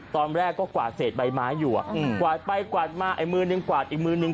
ตอนแรกก็กวาดเศษใบไม้อยู่อ่ะกวาดไปกวาดมาไอ้มือนึงกวาดอีกมือนึง